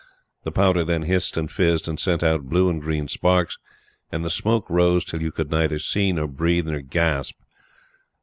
The powder then hissed and fizzed, and sent out blue and green sparks, and the smoke rose till you could neither see, nor breathe, nor gasp.